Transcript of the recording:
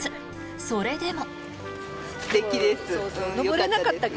それでも。